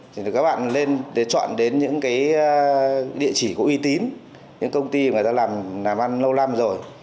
thì các bạn lên để chọn đến những địa chỉ của uy tín những công ty mà người ta làm ăn lâu năm rồi